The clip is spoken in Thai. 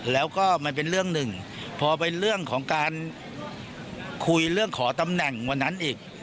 แล้วก็มันเป็นเรื่องหนึ่งพอเป็นเรื่องของการคุยเรื่องขอตำแหน่งวันนั้นอีก